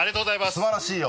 素晴らしいよ。